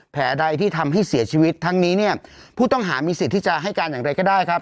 ใดที่ทำให้เสียชีวิตทั้งนี้เนี่ยผู้ต้องหามีสิทธิ์ที่จะให้การอย่างไรก็ได้ครับ